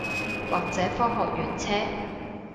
或者科學園車